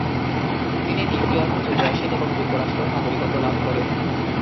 তিনি নিউইয়র্কে চলে আসেন, এবং যুক্তরাষ্ট্রের নাগরিকত্ব লাভ করেন।